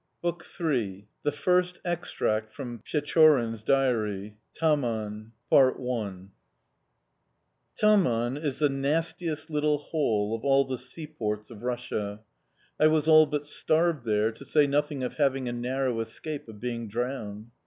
BOOK III THE FIRST EXTRACT FROM PECHORIN'S DIARY TAMAN TAMAN is the nastiest little hole of all the seaports of Russia. I was all but starved there, to say nothing of having a narrow escape of being drowned.